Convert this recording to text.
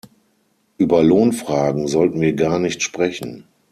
Über Lohnfragen sollten wir gar nicht sprechen.